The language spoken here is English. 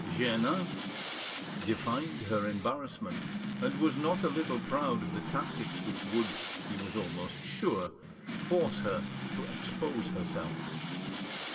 Jeannin divined her embarrassment, and was not a little proud of the tactics which would, he was almost sure; force her to expose herself.